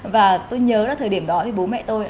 và tôi nhớ thời điểm đó bố mẹ tôi